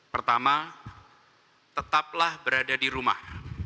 pertama tetaplah berada di rumah